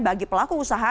bagi pelaku usaha